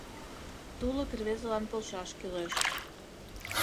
Тулык рвезылан полшаш кӱлеш.